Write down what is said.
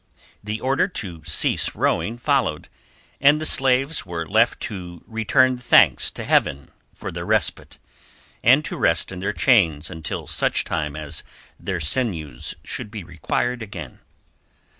The order to cease rowing followed, and the slaves were left to return thanks to Heaven for their respite, and to rest in their chains until such time as their sinews should be required again.